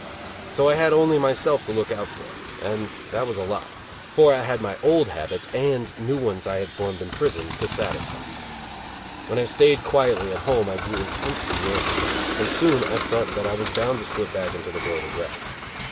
So I had only myself to look out for and that was a lot; for I had my old habits, and new ones I had formed in prison, to satisfy. When I stayed quietly at home I grew intensely nervous; and soon I felt that I was bound to slip back to the world of graft.